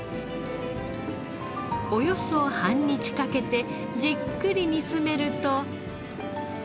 およそ半日かけてじっくり煮詰めると。